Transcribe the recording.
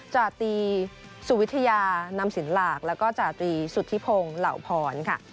จาตรีสุวิทยานำสินหลากแล้วก็จาตรีสุธิพงศ์เหล่าพรค่ะ